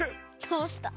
どうした？